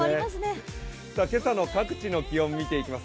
今朝の各地の気温を見ていきます。